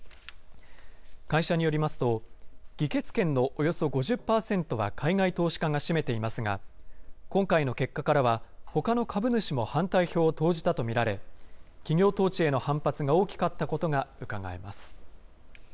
会社によりますと、議決権のおよそ５０％は海外投資家が占めていますが、今回の結果からは、ほかの株主も反対票を投じたと見られ、企業統治への反発が大きかったことがうかがえます。